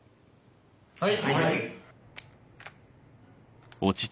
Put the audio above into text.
はい。